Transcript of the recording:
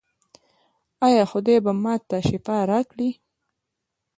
ایا خدای به ما ته شفا راکړي؟